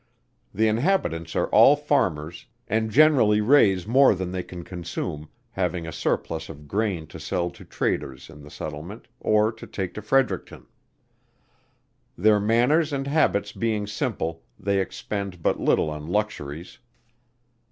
The inhabitants are all farmers, and generally raise more than they can consume, having a surplus of grain to sell to traders in the settlement or to take to Fredericton. Their manners and habits being simple, they expend but little on luxuries.